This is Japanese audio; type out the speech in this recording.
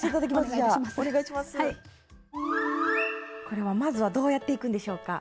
これはまずはどうやっていくんでしょうか？